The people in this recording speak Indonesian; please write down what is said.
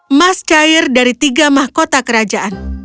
emas cair dari tiga mahkota kerajaan